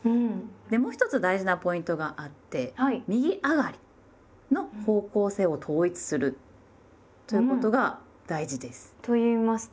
でもう一つ大事なポイントがあって右上がりの方向性を統一するということが大事です。と言いますと？